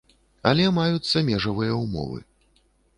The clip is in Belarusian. Але маюцца межавыя ўмовы.